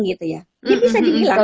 gitu ya jadi bisa dibilang